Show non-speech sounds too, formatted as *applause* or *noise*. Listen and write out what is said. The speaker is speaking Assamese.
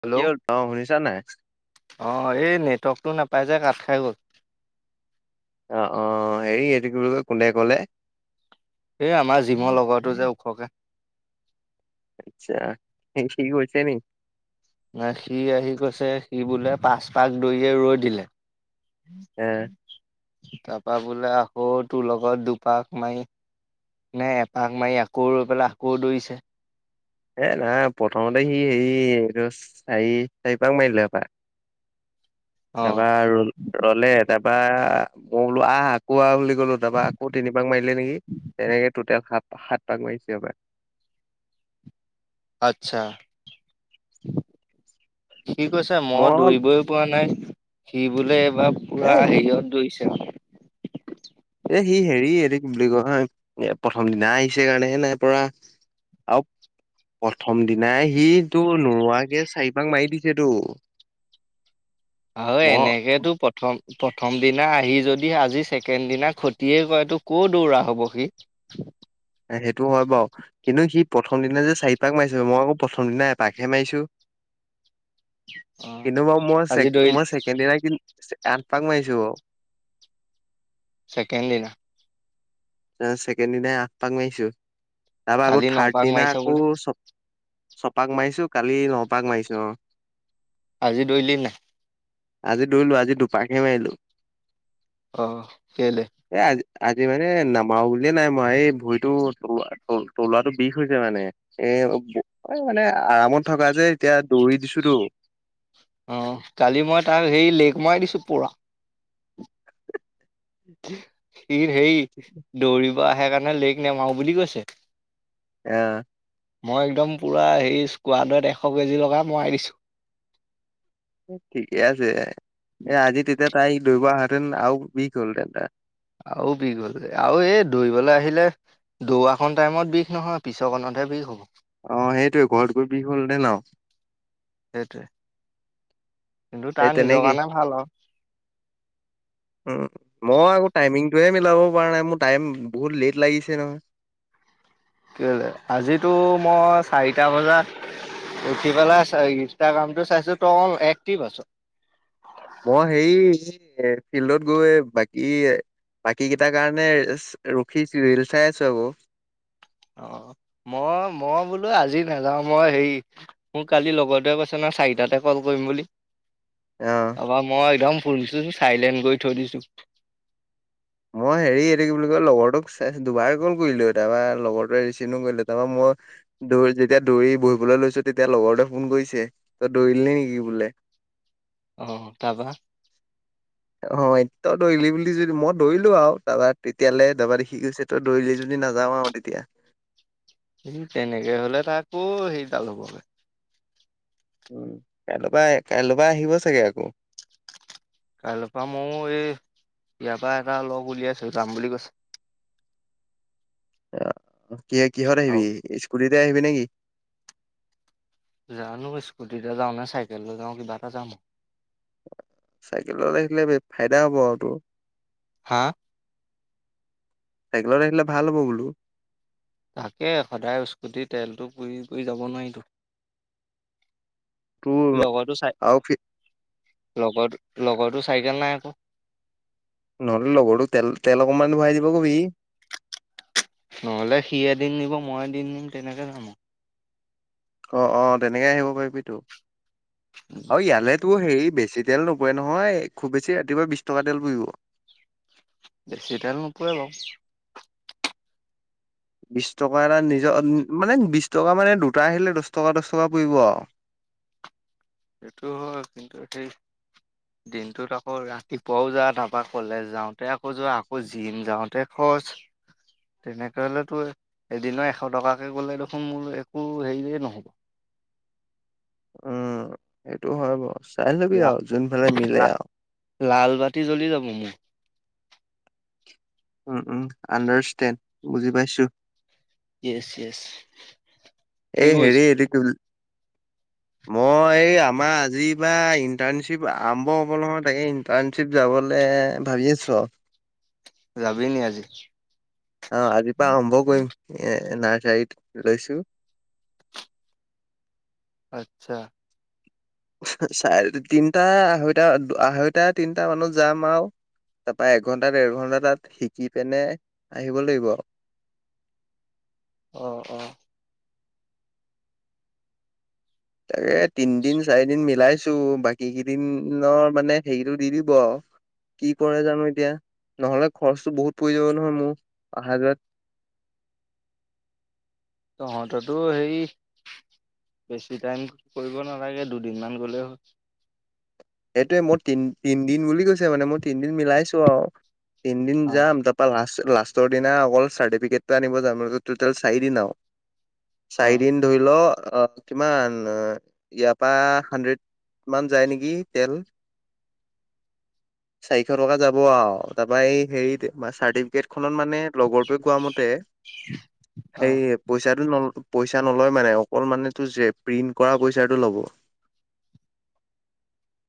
হেল্ল' কি হ'ল অ শুনিছা নাই অ এই নেটৱৰ্কটো নাপাই যে কাট তাই গ'ল। অহ হেৰি এইটো কি বুলি কৈ কোনে কলে? এই আমাৰ জিমৰ লগতো যে ওখকে। আচছা। *unintelligible* গৈছে নি? ন সি আহি কৈছে সি বোলে পাচ পাক দৰিয়ে ৰৈ দিলে। এ তাৰাপা বোলে আকৌ তোৰ লগত দুপাহ মাৰি নে এপাক মাৰি আকৌ ৰৈ পেলাই আকৌ দৌৰিছে। এ না প্ৰথমতে সি হেৰি এইটো চাৰি চাৰিপাক মাৰিলে হপা। অ তাৰপা ৰ ৰলে তাৰপা। লো আহ আকৌ আহ বুলি ক'লো। তাৰাপা আকৌ তিনি পাক মাৰিলে নেকি তেনেকে টোটেল সাত সাত পাক মাৰিছে এবাৰ। আচ্ছা। সি কৈছে মই দৌৰিবই পৰা নাই সি বোলে এইবাৰ পুৰা এই হেৰিত দৌৰিছে। *unintelligible* এ সি হেৰি এইটো কি বুলি কয় এ প্ৰথম দিনা আহিছে কাৰণে নাই পৰা। আৰু প্ৰথম দিনা সি তো নোৰোৱাকে চাৰিপাক মাৰি দিছে তো। অ এনেকেতো প্ৰথম। প্ৰথম দিনা আহি যদি আজি ছেকেণ্ড দিনা খতিয়ে কৰেটো কৌ দৌৰা হ'ব সি। সেইটো হয় বাৰু। কিন্তু সি প্ৰথম দিনা যে চাৰিপাক মাৰিছে, মই আকৌ প্ৰথম দিনা এপাকহে মাৰিছো। অ কিন্তু বাৰু আজি মই দৌৰিল মইছেকেণ্ড দিনা। এ আঠপাক মাইছো চেকেণ্ড দিনা। ছেকেণ্ড দিনাই আঠ পাক মাৰিছো। তাৰপা আকৌ কালি ন থাৰ্ড পাক দিনা মাৰিছে আকৌ বোলে চব ছপাক মাৰিছো, কালি নপাক মাৰিছো অহ। আজি দৰিলি নাই। আজি দইলো, আজি দুপাকাকে মাৰিলো। অহ, কেলে? এ আজি আজি মানে নাম। মা বুলিয়ে নাই মাৰা। এই ভৰিতো ত-তলুৱটো বিষ হৈছে মানে এ মানে আৰামত থকা যে এতিয়া দৌৰি দিছোতো। *inaudible* পৰা। সি সেৰী দৌৰিব আহে কাৰণে লেক নমাও বুলি কৈছে। অহ মই একদম পুৰা হেই স্কোৱাডত এশ কেজি লগা মৰাই দিছোঁ। ঠিকে আছে এ আজি তেতিয়া তাই দৌৰিব আহেতেন আৰু বিষ হ'ল তেন্তে তাৰ আৰু বিষ হ'ল আৰু এই দৌৰিবলৈ আহিলে দৌৰাখন টাইমত বিষ নহয়, পিছৰ কনত হেভি হ'ব। অ সেইটোৱে ঘৰত গৈ বিষ হ'ল দে ন। সেইটোৱে কিন্তু সেই তাৰ নিজৰ তেনেকেই কাৰণে ভাল আৰু। উ মই আকৌ টাইমিংটোহে মিলাব পৰা নাই মোৰ টাইম বহুত লেট লাগিছে নহয়। কেলে? আজিতো মই চাৰিটা বজাত উঠি পেলাই ইনষ্টাগ্ৰামতটো চাইছো ত আকো একটিভ আছ। মই হেৰী এ ফিল্ডত গৈ বাকী এ বাকী কেইটাৰ কাৰণে ৰখিছো ৰিল চাই আছো আকৌ। অ মই মই বোলোঁ আজি নাযাওঁ মই হেৰি মোৰ কালি লগৰটোৱে কৈছে ন। চাৰিটাতে কল কৰিম বুলি। অ তাপা মই একদম ফুলিছোঁ চাইলেণ্ট কৰি থৈ দিছোঁ। মই হেৰি এইটো কি বুলি কয় লগৰটোক দুবাৰে কল কৰিলো তাৰ লগৰটোৱা ৰিচিভ কৰিলো তাৰপা মই দৌৰি যেতিয়া দৌৰি বহিবলৈ লৈছোঁ। তেতিয়া লগৰতে ফোন কৰিছে তই দৌৰিল নেকি বোলে? অহ তাৰপা। অ' তই দৌৰিলি বুলি যদি মই দৌৰিলো আৰু তাৰপা তেতিয়াহাললে দবাৰ দে সি গৈছে তই দৌৰিলি যদি সি নাযাওঁ আৰু তেতিয়া। সি তেনেকে হ'লে তা কৌ সেইডাল হ'বগে। উম কাইলপা কাইলপা আহিব চাগে আকৌ। কাইলৈৰ পৰা ময়ো এই ইয়াৰ পৰা এটা লগ উলিয়াইছোঁ যাম বুলি কৈছে। আহ কিহ-কিহত আহিবি, আৰু স্কুটিতে আহিবি নেকি? জানো স্কুটিতে যাওঁ নে চাইকেললৈ যাওঁ কিবা এটা যাম আউ। চাইকেলত আহিলে ফাইদা হব আৰু তোৰ। হা চাইকেলত আহিলে ভাল হ'ব বোলো। তাকে সদায় ইচকুটি তেলটো পুৰি কৰি যাব নোৱাৰিতো। তোৰ লগৰতো চাই। আৰু কি- লগৰ লগৰো চাইকেল নাই আকৌ। নহ'লে লগৰটো তেল তেল অকমান ভৰাই দিব কবি। নহ'লে সি এদিন নিব মই এদিন নিম তেনেকে যাম- অহ-অহ তেনেকে আহিব পাৰিবি তো। আৰু ইয়াল তো হেৰি বেছি ডিজেল নোপৰে নহয় খুব বেছি ৰাতিপুৱা বিশ টকা তেল পুৰিব। বেছি তেল নোপোৱৰে বাৰু। বিশ টকা এটা নিজৰ মানে বিশ টকা মানে দুটা আহিলে দহ টকা দহ টকা পৰিব আৰু। সেইটো হয়, কিন্তু হেৰী দিনটোত আকৌ ৰাতিপুৱাও যা, তাৰপা কলেজ যাওঁতে আকৌ যোৱা, আকৌ জিম যাওঁতে তেনেকে হলে টো এদিন এশ টকাকে গলে দেখোন মোৰ একো হেৰিয়ে নহব। উম সেইটো হয় বাৰ চাই ল'বি লা আৰু যোনফালে মিলে লা আৰু। লাল বাতিী জ্বলি যাব মোৰ। উম উম আণ্ডাৰ ইচতেন বুজি পাইছোঁ। য়ছ য়ছ, কি এই কৰিছ? হেৰি এইটো কি বুলি মই এই আমাৰ আজি বা ইণ্টাৰ্ণশ্বিপ আৰম্ভ হ'ব নহয় তাকে ইণ্টাৰ্ণশ্বিপ যাব। অকলে ভাবি আছোঁ আৰু। যাবি নি আজি? অহ আজি পৰা আৰম্ভ কৰিম। এ ন জাইত লৈছো। আচ্ছা। চাৰে তিনটা আঢ়ৈটা আঢ়ৈটা তিনটা মানত যাম আৰু। তাৰপা এঘন্টা ডৰ ঘন্টা তাত শিকি পিনে আহিব লাগিব আউ। আহ, আহ। তাকে তিনদিন চাৰিদিন মিলাই। চো বাকী কেইদিনৰ মানে হেৰিতটো দি দিব আও- কি কৰে জানো এতিয়া? নহ'লে খৰচটো বহুত পৰি যাব নহয় মোৰ অহা যোৱাত। অন্তটো হেৰী বেছি টাইম কৰিব নালাগে দুদিনমান গ'লে হ'ল। এইটোৱে মই তিন তিনদিন বুলি কৈছে মানে মই তিনদিন মিলাইছো আৰু। তিনিদিন অ যাম তাৰপা লাষ্ট-লাষ্ট লাষ্টৰ দিনা অকল চাৰ্টিফিকেট আনিব যাম টোটেল চাৰিদিন আৰু। অ চাৰিদিন ধৰি ল। অহ, কিমান ইয়াৰ পৰা হানড্ৰেড মান যায় নেকি? তেল চাৰিশ টকা যাব আৰু তাৰপা এই হেৰি চাৰ্টিফিকেট খন মানে লগৰটোৱে কোৱা মতে অ সেই পইচাটো নল পইচা নলয় মানে অকলমানটো যে প্ৰিন্ট কৰা পইচাটো ল'ব। *inaudible*